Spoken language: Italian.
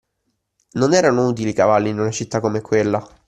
Non erano utili i cavalli in una città come quella.